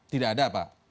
tidak ada pak